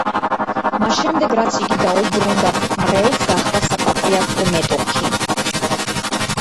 მას შემდეგ, რაც იგი დაუბრუნდა მრევლს, გახდა საპატრიარქო მეტოქი.